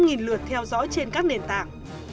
nghìn lượt theo dõi trên các nền tảng